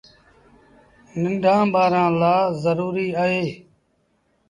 ننڍآن ٻآرآن لآ زروريٚ اهي۔